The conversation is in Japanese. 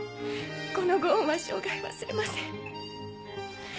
このご恩は生涯忘れません。